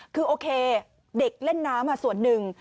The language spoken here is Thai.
คือโอเคเด็กเล่นน้ำส่วนหนึ่ง